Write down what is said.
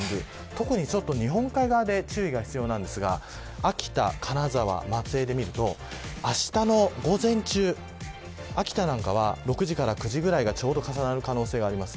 特に日本海側で注意が必要ですが秋田、金沢、松江で見るとあしたの午前中、秋田は６時から９時くらいがちょうど重なる可能性があります。